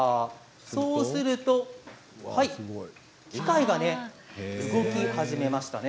そうすると機械が動き始めましたね。